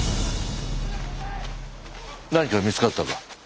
何か見つかったか？